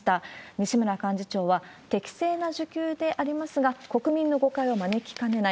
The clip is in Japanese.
西村幹事長は、適正な受給でありますが、国民の誤解を招きかねない。